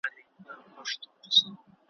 په وطن کي که پاچا که واکداران دي ,